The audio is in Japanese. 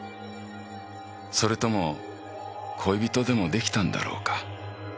それとも恋人でも出来たんだろうか？